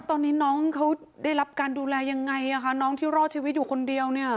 ตอนนี้น้องเขาได้รับการดูแลยังไงอ่ะคะน้องที่รอดชีวิตอยู่คนเดียวเนี่ย